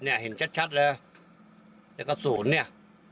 นี่๒๘เนี่ยแล้วก็๐เนี่ย